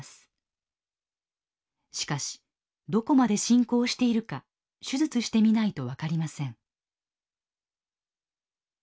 しかしどこまで進行しているか手術してみないと分かりません。